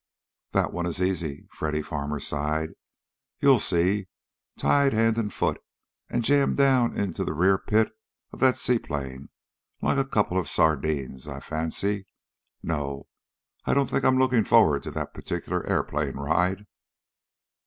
"That one is easy," Freddy Farmer sighed. "You'll see. Tied hand and foot, and jammed down into the rear pit of that seaplane like a couple of sardines, I fancy. No, I don't think I'm looking forward to that particular airplane ride."